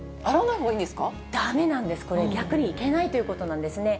だめなんです、これ、逆にいけないということなんですね。